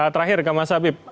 terakhir kak mas habib